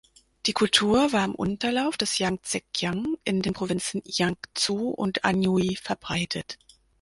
Die Kultur war am Unterlauf des Jangtsekiang in den Provinzen Jiangsu und Anhui verbreitet.